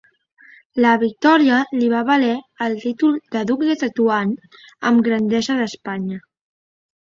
La victòria li va valer el títol de duc de Tetuan amb Grandesa d'Espanya.